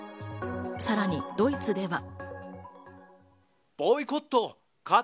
さらにドイツでは。